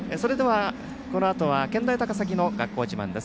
このあとは健大高崎の学校自慢です。